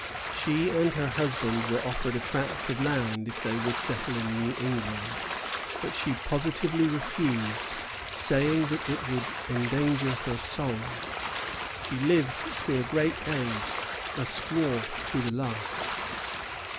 She and her husband were offered a tract of land if they would settle in New England; but she positively refused, saying that it would endanger her soul. She lived to a great age, a squaw to the last.